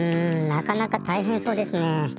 なかなかたいへんそうですねえ。